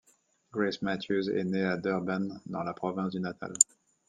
Grace Matthews est née à Durban dans la province du Natal.